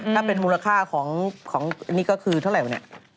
ถ้ามูลค่าของนี่ก็คือเท่าไหร่วะนี่